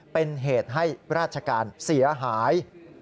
เป็นเหตุให้ราชการเสียหาย